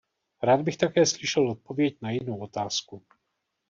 Rád bych také slyšel odpověď na jinou otázku.